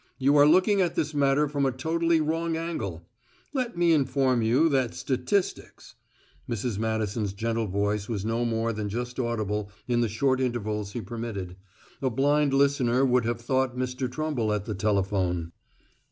You are looking at this matter from a totally wrong angle. ... Let me inform you that statistics. ..." Mrs. Madison's gentle voice was no more than just audible in the short intervals he permitted; a blind listener would have thought Mr. Trumble at the telephone.